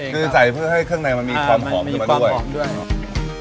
คือใส่เพื่อให้เครื่องในมันมีความหอมขึ้นมาด้วย